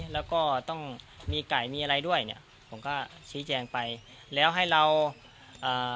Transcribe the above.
แล้วก็ต้องมีไก่มีอะไรด้วยเนี้ยผมก็ชี้แจงไปแล้วให้เราเอ่อ